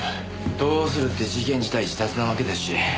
どうするって事件自体自殺なわけですし。